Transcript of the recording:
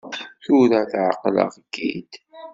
Tura εeqleɣ-k-id.